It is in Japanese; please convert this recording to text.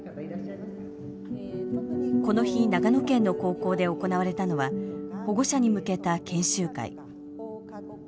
この日長野県の高校で行われたのは保護者に向けた研修会。